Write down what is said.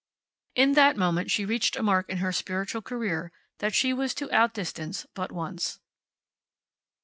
In that moment she reached a mark in her spiritual career that she was to outdistance but once.